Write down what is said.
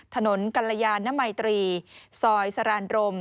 ถนนกัลลายานณมัยตรีซอยสรานรม